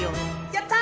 やった！